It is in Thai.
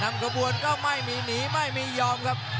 ขบวนก็ไม่มีหนีไม่มียอมครับ